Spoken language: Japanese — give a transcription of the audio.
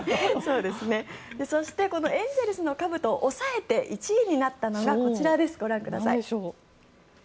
そしてこのエンゼルスのかぶとを抑えて１位になったのがこちらです、ご覧ください。